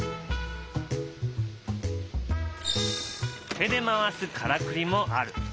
手で回すからくりもある。